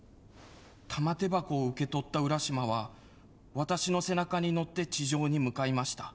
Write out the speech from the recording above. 玉手箱を受け取った浦島は私の背中に乗って地上に向かいました。